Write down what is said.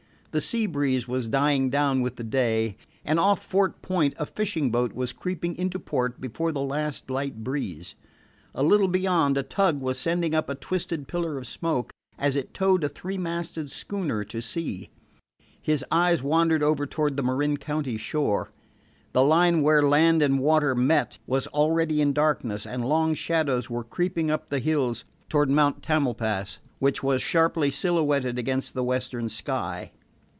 The sea breeze was dying down with the day, and off Fort Point a fishing boat was creeping into port before the last light breeze. A little beyond, a tug was sending up a twisted pillar of smoke as it towed a three masted schooner to sea. His eyes wandered over toward the Marin County shore. The line where land and water met was already in darkness, and long shadows were creeping up the hills toward Mount Tamalpais, which was sharply silhouetted against the western sky.